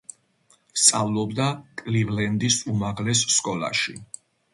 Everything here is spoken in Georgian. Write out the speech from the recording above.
სწავლობდა კლივლენდის უმაღლეს სკოლაში.